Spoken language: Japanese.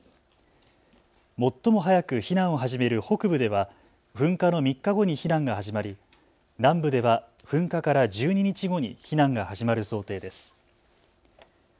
最も早く避難を始める北部では噴火の３日後に避難が始まり南部では噴火から１２日後に避難が始まる想定です。